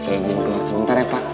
saya nyembung sebentar ya pak